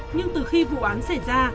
nhưng từ khi vụ án xảy ra